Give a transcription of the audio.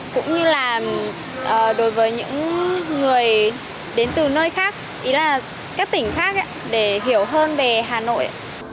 cũng như là đối với những người đến từ nơi khác ý là các tỉnh khác để hiểu hơn về hà nội